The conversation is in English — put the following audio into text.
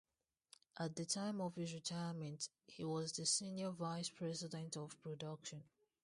At the time of his retirement he was the Senior Vice President of Production.